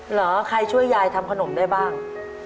เหรอใครช่วยยายทำขนมได้บ้าง